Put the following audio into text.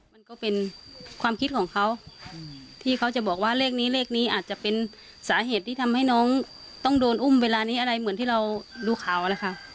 มันก็เป็นความคิดของเขาที่เขาจะบอกว่าเลขนี้เลขนี้อาจจะเป็นสาเหตุที่ทำให้น้องต้องโดนอุ้มเวลานี้อะไรเหมือนที่เราดูข่าวนะคะ